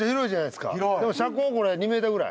でも車高これ２メーターぐらい？